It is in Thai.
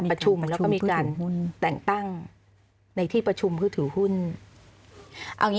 ที่สูญของผู้ถือหุ้น